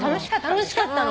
楽しかったの。